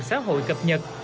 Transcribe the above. và xã hội cập nhật